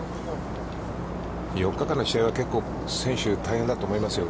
４日間の試合は結構、選手、大変だと思いますよ。